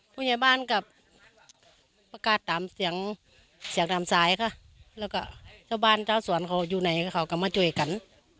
ผู้ใหญ่บ้านกับประกาศตามเสียงเสียงตามสายค่ะแล้วก็ชาวบ้านเจ้าสวนเขาอยู่ไหนเขาก็มาช่วยกัน